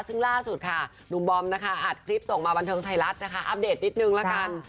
ซึ่งล่าสุดค่ะหนุ่มบอมนะคะอัดคลิปส่งมาบันเทิงไทยรัฐนะคะอัปเดตนิดนึงละกัน